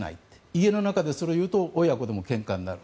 家の中でそれを言うと親子でもけんかになる。